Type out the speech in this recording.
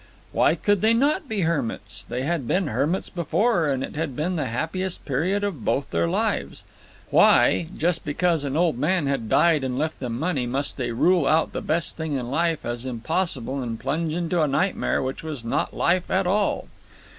Why could they not be hermits? They had been hermits before, and it had been the happiest period of both their lives. Why, just because an old man had died and left them money, must they rule out the best thing in life as impossible and plunge into a nightmare which was not life at all?